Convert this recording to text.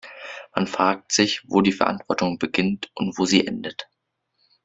Man fragt sich, wo die Verantwortung beginnt und wo sie endet.